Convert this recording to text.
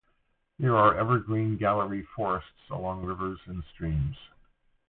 There are evergreen gallery forests along rivers and streams.